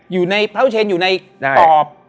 อยู่ในห้องเจ็บเภาเชนอยู่ในตอบ